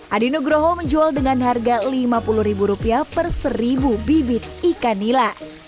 adi nugroho menjual dengan harga rp lima puluh ribu rupiah per seribu bibit ikan nila